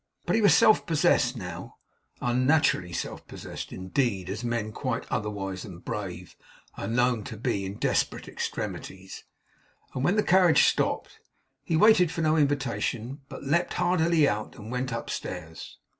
But he was self possessed now; unnaturally self possessed, indeed, as men quite otherwise than brave are known to be in desperate extremities; and when the carriage stopped, he waited for no invitation, but leapt hardily out, and went upstairs.